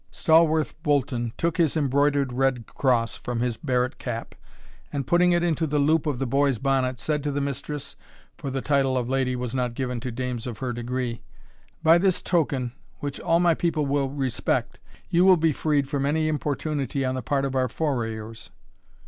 Stawarth Bolton took his embroidered red cross from his barret cap, and putting it into the loop of the boy's bonnet, said to the mistress, (for the title of lady was not given to dames of her degree,) "By this token, which all my people will respect, you will be freed from any importunity on the part of our forayers."